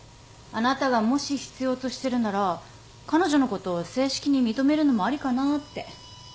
あなたがもし必要としてるなら彼女のことを正式に認めるのもありかなって。